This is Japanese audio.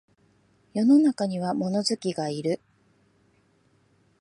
世の中には物好きがいる